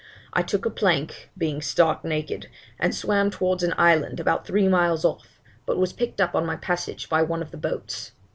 I took a plank (being stark naked) and swam towards an island about three miles off, but was picked up on my passage by one of the boats.